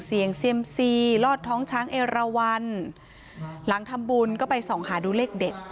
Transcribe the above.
เสียงเซียมซีรอดท้องช้างเอราวันหลังทำบุญก็ไปส่องหาดูเลขเด็ด